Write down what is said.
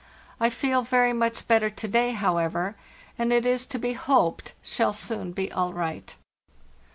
I feel very much better to day, however, and it is to be hoped shall soon be all right.